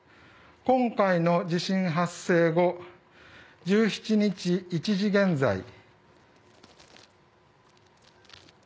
今回の地震発生後１７日１時現在。